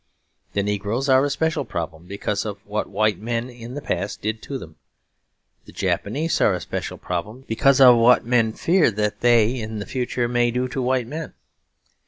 The negroes are a special problem, because of what white men in the past did to them. The Japanese are a special problem, because of what men fear that they in the future may do to white men.